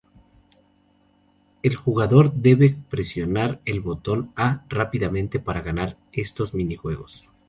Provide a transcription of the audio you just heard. El jugador debe presionar el botón A rápidamente para ganar estos minijuegos.